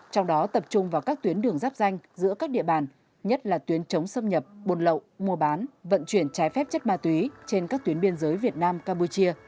trong đó tập trung vào các tuyến đường giáp danh giữa các địa bàn nhất là tuyến chống xâm nhập buôn lậu mua bán vận chuyển trái phép chất ma túy trên các tuyến biên giới việt nam campuchia